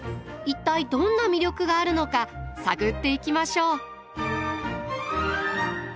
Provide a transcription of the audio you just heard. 一体どんな魅力があるのか探っていきましょう。